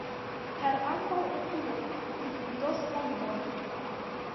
Per ambaŭ okuloj ili vidos la lumon.